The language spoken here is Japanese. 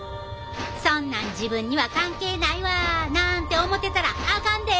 そんなん自分には関係ないわなんて思てたらあかんで！